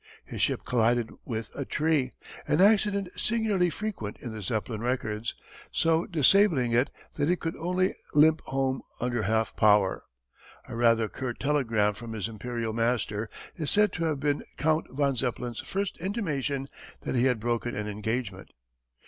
His ship collided with a tree an accident singularly frequent in the Zeppelin records so disabling it that it could only limp home under half power. A rather curt telegram from his Imperial master is said to have been Count von Zeppelin's first intimation that he had broken an engagement.